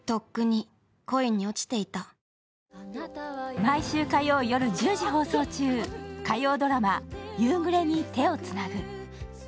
毎週火曜夜１０時放送中、火曜ドラマ「夕暮れに、手をつなぐ」。